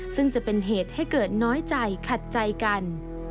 ซึ่งจะเป็นเหตุให้เกิดน้อยใจขัดใจกัน